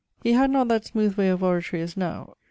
He had not that smooth way of oratory as now.